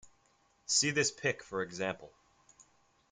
See this pic for example.